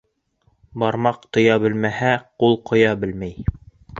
Бармаҡ тоя белмәһә, ҡул ҡоя белмәй.